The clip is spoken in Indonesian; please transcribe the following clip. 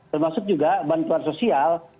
termasuk juga bantuan sosial